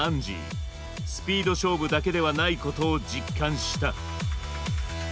スピード勝負だけではないことを実感した。